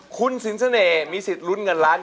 คุณสิงเสน่ห์มีสิทธิ์ลุ้นเงินล้าน